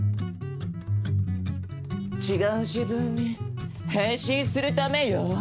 ちがう自分にへんしんするためよ。